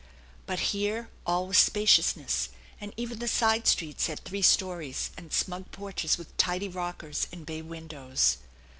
But here all was spaciousness, and even the side streets had three stories and smug porches with tidy rockers and bay windows.